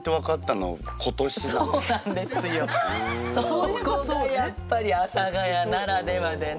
そこがやっぱり阿佐ヶ谷ならではでね。